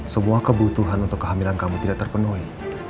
semua kebutuhan untuk kehamilan kamu tidak terpenuhi